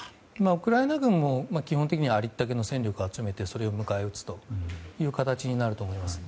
ウクライナ軍も基本的にはありったけの戦力を集めてそれを迎え撃つという形になると思います。